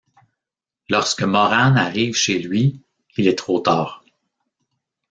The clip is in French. Lorsque Morane arrive chez lui, il est trop tard.